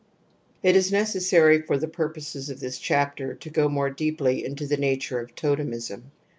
It is necessary for the purposes of this chapter to go more deeply into the nature of totemism.